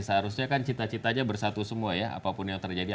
seharusnya kan cita citanya bersatu semua ya apapun yang terjadi